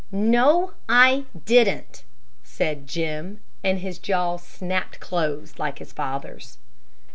"No, I didn't!" said Jim, and his jaw snapped close like his father's.